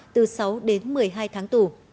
từ sáu đến một mươi hai tháng tù